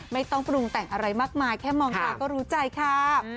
ไม่ต้องปรุงแต่งอะไรมากมายแค่มองตาก็รู้ใจค่ะ